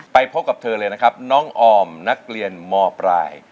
พบกับเธอเลยนะครับน้องออมนักเรียนมปลาย